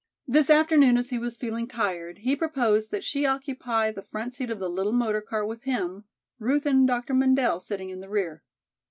This afternoon as he was feeling tired he proposed that she occupy the front seat of the little motor car with him, Ruth and Dr. Mendel sitting in the rear.